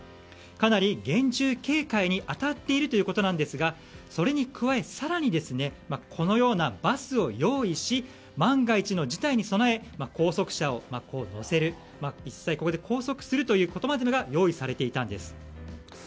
かなり厳重警戒に当たっているということですがそれに加え、更にこのようなバスを用意し万が一の事態に備え拘束者を乗せる一斉にここで拘束するところまで用意されていたんです。